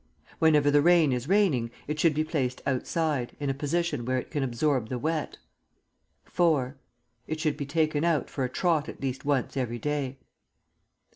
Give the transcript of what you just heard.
Whenever the rain is raining, it should be placed outside, in a position where it can absorb the wet. IV. It should be taken out for a trot at least once every day.